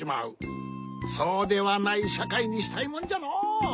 そうではないしゃかいにしたいもんじゃのう。